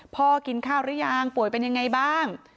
กินข้าวหรือยังป่วยเป็นยังไงบ้าง